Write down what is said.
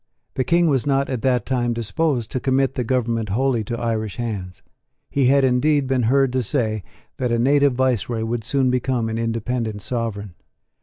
The King was not at that time disposed to commit the government wholly to Irish hands. He had indeed been heard to say that a native viceroy would soon become an independent sovereign.